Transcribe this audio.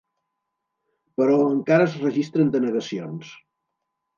Però encara es registren denegacions.